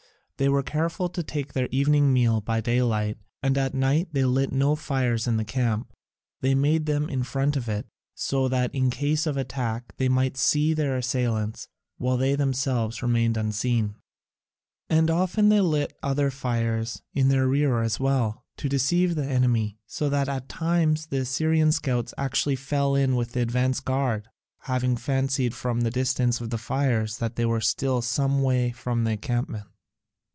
They were careful to take their evening meal by daylight, and at night they lit no fires in the camp: they made them in front of it, so that in case of attack they might see their assailants, while they themselves remained unseen. And often they lit other fires in their rear as well, to deceive the enemy; so that at times the Assyrian scouts actually fell in with the advance guard, having fancied from the distance of the fires that they were still some way from the encampment.